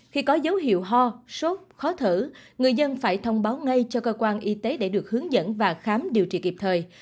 khi có dấu hiệu ho sốt khó thở người dân phải thông báo ngay cho cơ quan y tế để được hướng dẫn và khám điều trị kịp thời